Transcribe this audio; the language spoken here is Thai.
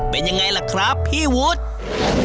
เป็นยังไงล่ะครับพี่วุฒิ